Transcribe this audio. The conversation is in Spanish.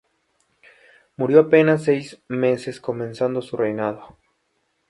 Murió apenas seis meses comenzado su reinado.